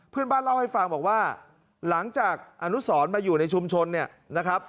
เพื่อนบ้านเล่าให้ฟังบอกว่าหลังจากอนุสรมาอยู่ในชุมชนเนี่ยนะครับ